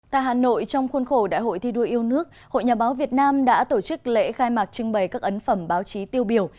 tại hà nội trong khuôn khổ đại hội thi đua yêu nước hội nhà báo việt nam đã tổ chức lễ khai mạc trưng bày các ấn phẩm báo chí tiêu biểu